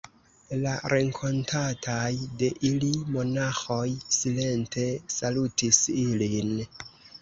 La renkontataj de ili monaĥoj silente salutis ilin.